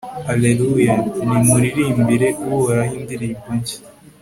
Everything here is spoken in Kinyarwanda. alleluya! nimuririmbire uhoraho indirimbo nshya